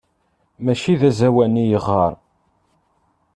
Mačči d aẓawan i yeɣɣar.